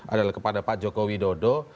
adalah kepada pak joko widodo